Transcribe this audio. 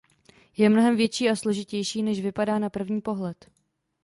Je mnohem větší a složitější, než vypadá na první pohled.